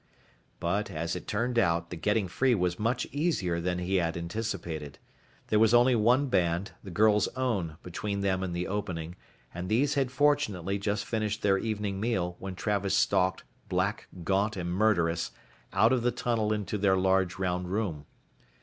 But as it turned out, the getting free was much easier than he had anticipated. There was only one band, the girl's own, between them and the opening, and these had fortunately just finished their evening meal when Travis stalked, black, gaunt and murderous, out of the tunnel into their large round room.